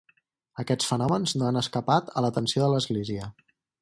Aquests fenòmens no han escapat a l'atenció de l'Església.